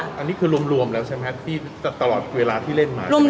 อันนี้คือรวมแล้วใช่มั้ยที่ตลอดเวลาที่เล่นมา